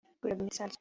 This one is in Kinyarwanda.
Kuri robinet isanzwe